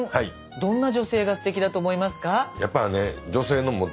どんな女性がすてきだと思いますか。